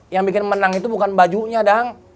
yang bikin menang itu bukan bajunya dong